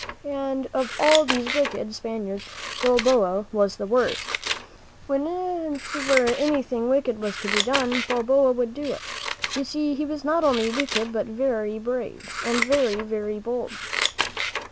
And of all these wicked Spaniards, Balboa was the worst. When ever anything wicked was to be done, Balboa would do it. You see he was not only wicked, but very brave and very, very bold.